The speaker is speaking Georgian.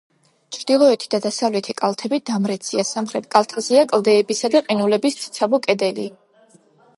ჩრდილოეთი და დასავლეთი კალთები დამრეცია, სამხრეთ კალთაზეა კლდეებისა და ყინულების ციცაბო კედელია.